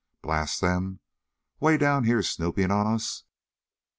Blast them! Way down here snooping on us!"